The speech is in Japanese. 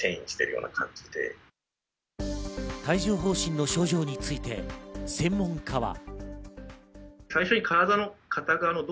帯状疱疹の症状について専門家は。